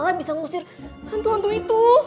atau kita bisa ngusir hantu hantu itu